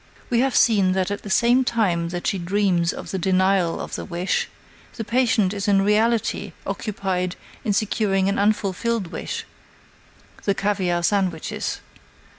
We have seen that at the same time that she dreams of the denial of the wish, the patient is in reality occupied in securing an unfulfilled wish (the caviare sandwiches).